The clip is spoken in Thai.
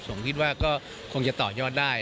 ผมคิดว่าก็คงจะต่อยอดได้